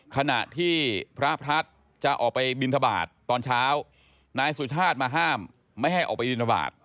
ขณะที่พระพัฒน์จะออกไปบินทบาทตอนเช้านายสุชาติมาห้ามไม่ให้ออกไปบินทบาท